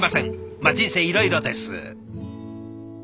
まあ人生いろいろです。